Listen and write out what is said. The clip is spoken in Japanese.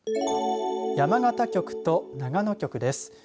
山形局と長野局です。